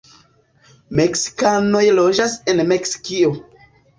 Meksikanoj loĝas en Meksikio.